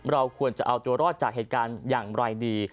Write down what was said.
เราควรจะเอาตัวรอดจากเหตุการณ์อย่างไรดี